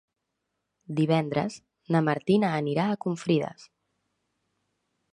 Divendres na Martina anirà a Confrides.